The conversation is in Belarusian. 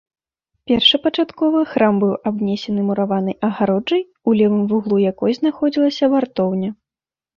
Першапачаткова храм быў абнесены мураванай агароджай, у левым вуглу якой знаходзілася вартоўня.